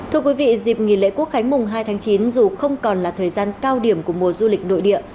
thưa quý vị dịp nghỉ lễ quốc khánh mùng hai tháng chín dù không còn là thời gian cao điểm của mùa du lịch nội địa